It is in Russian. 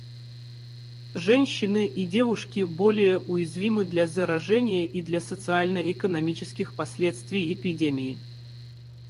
Женщины и девушки более уязвимы для заражения и для социально-экономических последствий эпидемии.